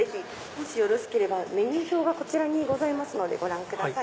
もしよろしければメニュー表がございますのでご覧ください。